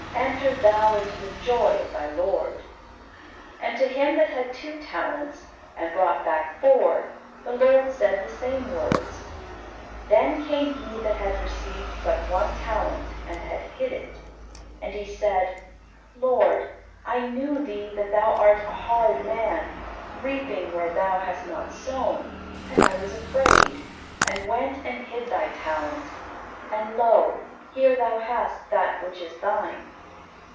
Enter thou into the joy of thy lord." And to him that had two talents, and brought back four, the lord said the same words. Then came he that had received but one talent and had hid it; and he said, "Lord, I knew thee that thou art a hard man, reaping where thou hast not sown, and I was afraid, and went and hid thy talent, and lo, here thou hast that which is thine."